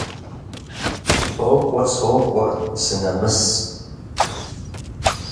Сокӏуэ, сокӏуэ - сынэмыс.